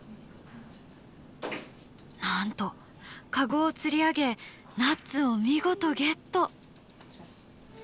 なんと籠を釣り上げナッツを見事ゲット。